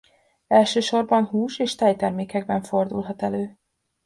Elsősorban hús- és tejtermékekben fordulhat elő.